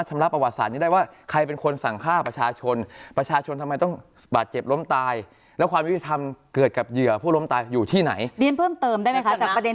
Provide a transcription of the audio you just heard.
จากประเด็นที่คุณอู๋บบอก